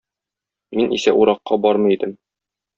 Мин исә уракка бармый идем.